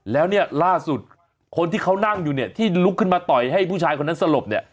แล้วเนี่ยล่าสุดคนที่เขานั่งอยู่เนี่ยที่ลุกขึ้นมาต่อยให้ผู้ชายคนนั้นสลบเนี่ย